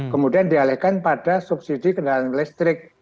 kemudian dialihkan pada subsidi kendaraan listrik